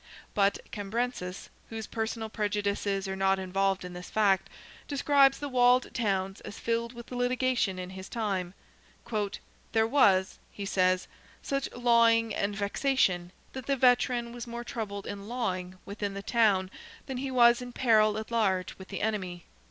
But Cambrensis, whose personal prejudices are not involved in this fact, describes the walled towns as filled with litigation in his time. "There was," he says, "such lawing and vexation, that the veteran was more troubled in lawing within the town than he was in peril at large with the enemy."